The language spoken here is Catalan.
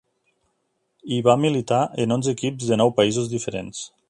Hi va militar en onze equips de nou països diferents.